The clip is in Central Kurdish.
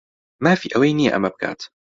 مافی ئەوەی نییە ئەمە بکات.